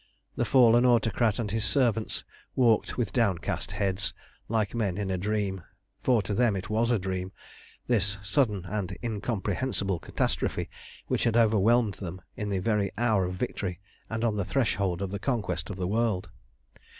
The fallen Autocrat and his servants walked with downcast heads, like men in a dream, for to them it was a dream, this sudden and incomprehensible catastrophe which had overwhelmed them in the very hour of victory and on the threshold of the conquest of the world.